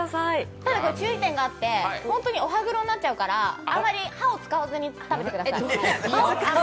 ただ、注意点があって、本当にお歯黒になっちゃうからあんまり歯を使わずにかじってください。